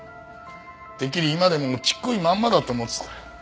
てっきり今でもちっこいまんまだと思ってた。